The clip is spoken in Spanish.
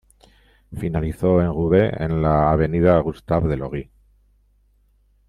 Finalizó en Roubaix, en la avenida Gustave-Delory.